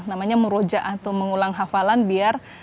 namanya merujah atau mengulang hafalan biar